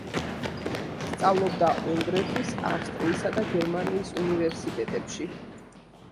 სწავლობდა უნგრეთის, ავსტრიისა და გერმანიის უნივერსიტეტებში.